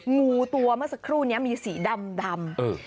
งูตัวเมื่อสักครู่นี้มีสีดำ